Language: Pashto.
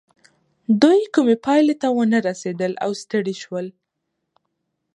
دوی کومې پايلې ته ونه رسېدل او ستړي شول.